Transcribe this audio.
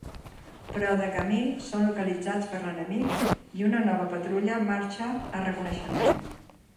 Però de camí són localitzats per l'enemic i una nova patrulla marxa a reconeixement.